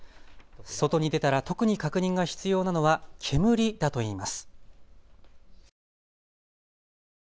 外に出たら特に確認が必要なのは煙だといいます。